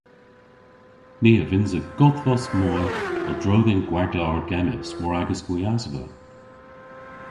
Ni a vynnsa godhvos moy a-dro dhe'n gwagla argemmynys war agas gwiasva.